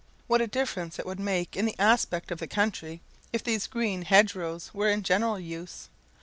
What a difference it would make in the aspect of the country if these green hedgerows were in general use!